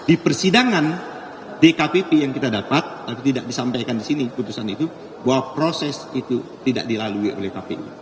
jadi persidangan di kpp yang kita dapat tapi tidak disampaikan di sini keputusan itu bahwa proses itu tidak dilalui oleh kpu